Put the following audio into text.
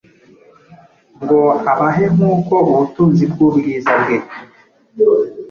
ngo abahe nk’uko ubutunzi bw’ubwiza bwe